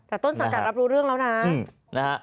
แต่ต้นสังกัดรับรู้เรื่องแล้วนะนะฮะ